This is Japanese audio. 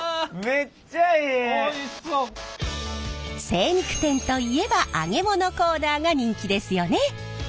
精肉店といえば揚げ物コーナーが人気ですよね。